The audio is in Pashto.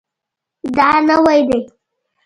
دا نوی دی